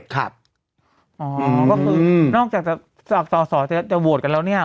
ก็คือนอกจากจะสำหรับสอสอจะโหวตกันแล้วเนี่ย